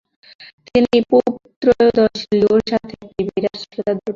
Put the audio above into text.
তিনি পোপ ত্রয়োদশ লিওর সাথে একটি বিরাট শ্রোতাদল পান।